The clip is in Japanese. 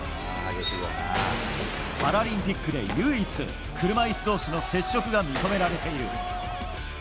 パラリンピックで唯一車いす同士の接触が認められている。